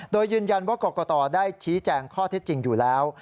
โดยยืนยันว่ากรกตได้ชี้แจงข้อเท็จจริงอยู่แล้ว